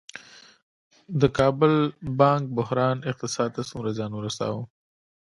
د کابل بانک بحران اقتصاد ته څومره زیان ورساوه؟